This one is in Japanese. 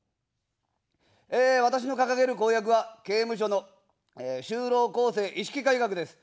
私の掲げる公約は、刑務所の就労更生意識改革です。